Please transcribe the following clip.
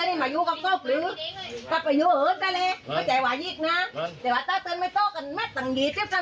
นี่กระคนในพื้นที่ก็ถามเลยเดี๋ยวที่บอกให้ทำอะพระที่ไหนเหรอ